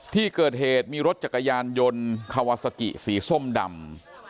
ที่เกิดเหตุมีรถจักรยานยนต์คาวาซากิสีส้มดำ